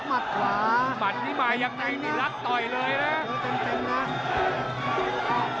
มันที่มายังไงนี่รัฐต่อยเลยนะ